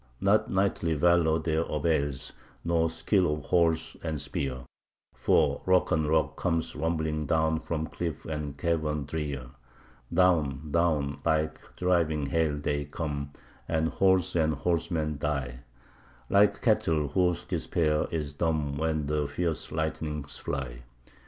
Not knightly valour there avails, nor skill of horse and spear; For rock on rock comes rumbling down from cliff and cavern drear; Down, down like driving hail they come, and horse and horseman die Like cattle whose despair is dumb when the fierce lightnings fly.